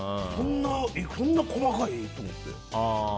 そんな細かい？と思って。